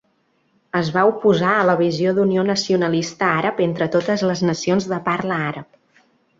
Es va oposar a la visió d'unió nacionalista àrab entre totes les nacions de parla àrab.